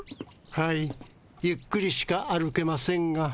はいゆっくりしか歩けませんが。